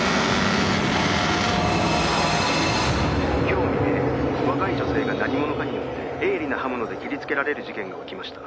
「今日未明若い女性が何者かによって鋭利な刃物で切りつけられる事件が起きました」